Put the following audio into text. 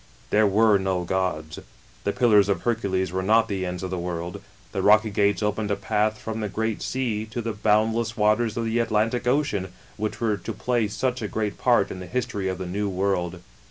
There were no gods. The Pillars of Hercules were not the ends of the world. The rocky gates opened a path from the Great Sea, to the bound less waters of the Atlantic Ocean, which were to play such a great part in the history of the New World.